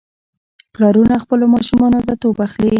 پلارونه خپلو ماشومانو ته توپ اخلي.